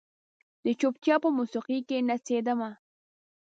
د چوپتیا په موسیقۍ کې نڅیدمه